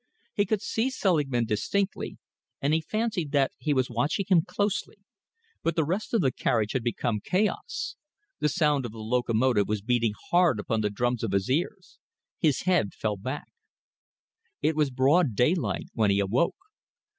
He could see Selingman distinctly, and he fancied that he was watching him closely, but the rest of the carriage had become chaos. The sound of the locomotive was beating hard upon the drums of his ears. His head fell back. It was broad daylight when he awoke.